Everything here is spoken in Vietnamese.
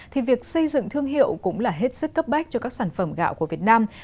thì việc xây dựng thương hiệu cũng là hết sức cấp bách cho các sản phẩm gạo của việt nam